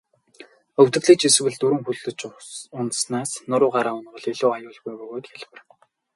Өвдөглөж эсвэл дөрвөн хөллөж унаснаас нуруугаараа унавал илүү аюулгүй бөгөөд хялбар.